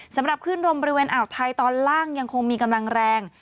สำหรับขึ้นลมบริเวณอ่าวไทยตอนล่างยังคงมีกำลังแรง